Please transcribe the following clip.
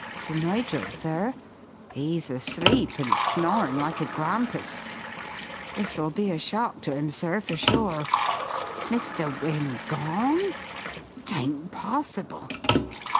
"Sir Nigel, sir? 'E's asleep, and snorin' like a grampus. This'll be a shock to 'im sir, for sure. Mr. Wynne gone? 'T ain't possible!"